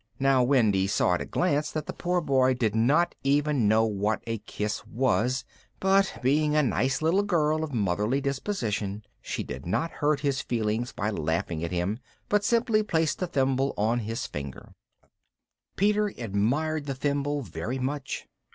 Now Wendy saw at a glance that the poor boy did not even know what a kiss was, but being a nice little girl of motherly disposition, she did not hurt his feelings by laughing at him, but simply placed the thimble on his finger. [Illustration: THE SHADOW HELD ON BEAUTIFULLY] Peter admired the thimble very much.